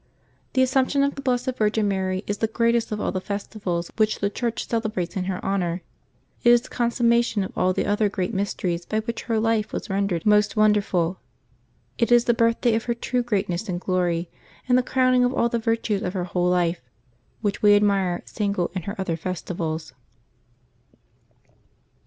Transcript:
The Assumption of the Blessed Virgin Mary is the greatest of all the festivals which the Church celebrates in her honor. It is the con summation of all the other great mysteries by which her life was rendered most wonderful; it is the birthday of her true greatness and glory, and the crowning of all the virtues of her whole life, which we admire single in her other festivals.